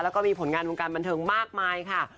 แล้วก็มีผลงานวงการบันเทิงมากมายค่ะ